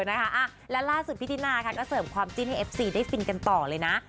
และล่าสุดพี่ตินาค่ะก็เสริมความจิ้นให้เอฟซีได้ฟินกันต่อเลยนะ